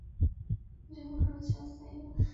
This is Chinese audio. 目前所有的矿山企业都在应用。